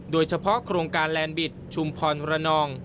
โดยเฉพาะโครงการแลนด์บิตชุมพรระนอง